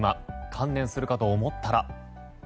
関連するかと思ったら。